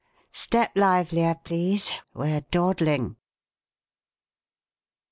Step livelier, please we're dawdling!"